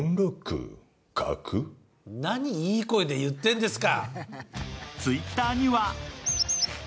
何いい声で言ってるんですか。